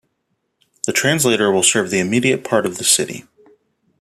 The translator will serve the immediate part of the city.